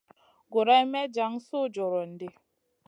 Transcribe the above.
Guroyn may jan suh jorion ɗi.